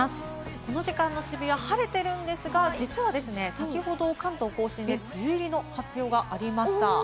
この時間の渋谷、晴れているんですが、先ほど関東甲信で梅雨入りの発表がありました。